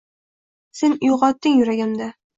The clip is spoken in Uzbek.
Sen uyg’otding yuragimda